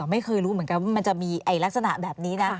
ไม่เคยรู้เหมือนกันว่ามันจะมีลักษณะแบบนี้นะ